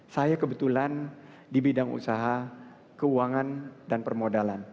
saya kebetulan di bidang usaha keuangan dan permodalan